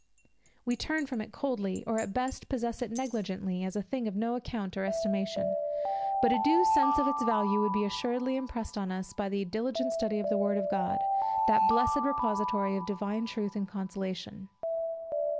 We turn from it coldly, or at best possess it negligently, as a thing of no account or estimation. But a due sense of its value would be assuredly impressed on us by the diligent study of the word of God, that blessed repository of divine truth and consolation.